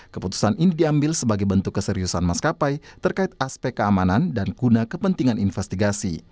keputusan ini diambil sebagai bentuk keseriusan maskapai terkait aspek keamanan dan guna kepentingan investigasi